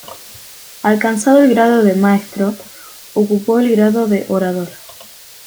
Alcanzado el grado de Maestro, ocupó el grado de Orador.